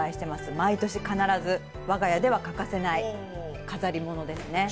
毎年必ず我が家では欠かせない飾り物ですね。